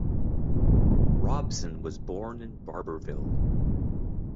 Robsion was born in Barbourville.